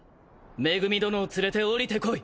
恵殿を連れて下りてこい。